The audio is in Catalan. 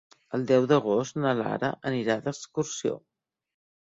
El deu d'agost na Lara anirà d'excursió.